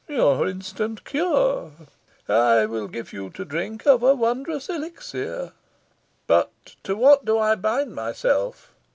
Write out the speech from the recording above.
"Your instant cure. I will give you to drink of a wondrous elixir." "But to what do I bind myself?"